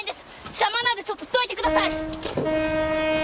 邪魔なんでちょっとどいてください！